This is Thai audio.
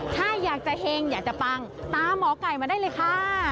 ถ้าอยากจะเฮงอยากจะปังตามหมอไก่มาได้เลยค่ะ